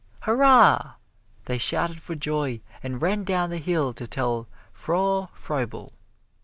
Hurrah! They shouted for joy, and ran down the hill to tell Frau Froebel.